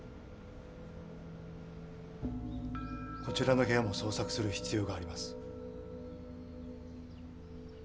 こちらの部屋も捜索する必要があります。